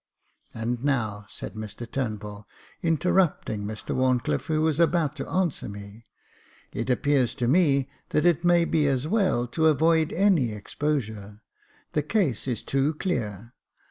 " And now," said Mr Turnbull, interrupting Mr Wharncliffe, who was about to answer me, it appears to me that it may be as well to avoid any exposure — the case is too clear.